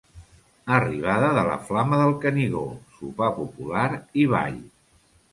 Arribada de la flama del Canigó, sopar popular i ball.